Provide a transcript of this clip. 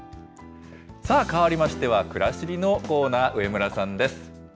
さあ、かわりましてはくらしりのコーナー、上村さんです。